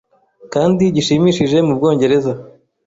kandi gishimishije mu Bwongereza